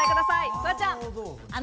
フワちゃん。